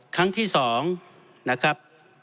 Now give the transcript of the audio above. ครั้งที่๒นะครับ